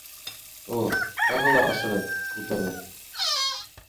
Ул, тағы шулай ашығып, буталып: